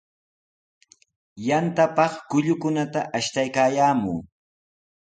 Yantapaq kullukunata ashtaykaayaamun.